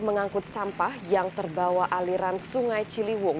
mengangkut sampah yang terbawa aliran sungai ciliwung